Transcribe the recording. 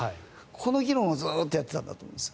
この議論をずっとやっていたんだと思います。